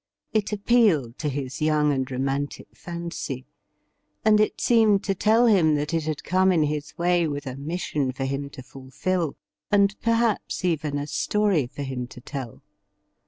It appealed to his young and romantic fancy, and it seemed to tell him that it had come in his way with a mission for him to fulfil, and perhaps even a story for him to tell.